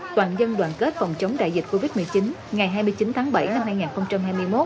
các phòng chống đại dịch covid một mươi chín ngày hai mươi chín tháng bảy năm hai nghìn hai mươi một